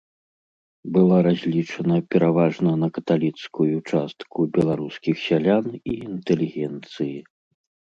Была разлічана пераважна на каталіцкую частку беларускіх сялян і інтэлігенцыі.